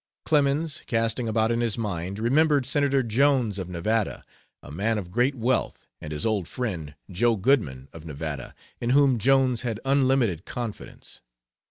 Clemens, casting about in his mind, remembered Senator Jones, of Nevada, a man of great wealth, and his old friend, Joe Goodman, of Nevada, in whom Jones had unlimited confidence.